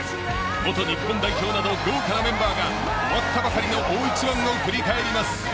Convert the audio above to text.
元日本代表など豪華メンバーが終わったばかりの大一番を振り返ります。